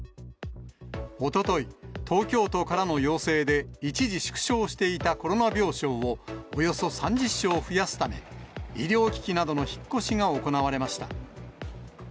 おととい、東京都からの要請で、一時縮小していたコロナ病床をおよそ３０床増やすため、医療機器などの引っ越しが行われました。